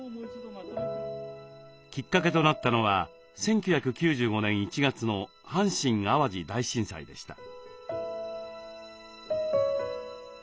きっかけとなったのは１９９５年１月の阪神・淡路大震災でした。